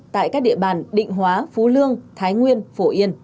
tại các địa bàn định hóa phú lương thái nguyên phổ yên